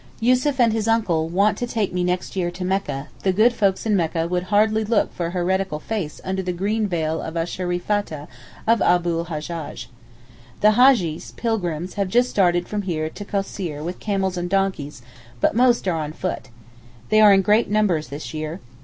Yussuf and his uncle want to take me next year to Mecca, the good folks in Mecca would hardly look for a heretical face under the green veil of a Shereefateh of Abu l Hajjaj. The Hajjees (pilgrims) have just started from here to Cosseir with camels and donkeys, but most are on foot. They are in great numbers this year.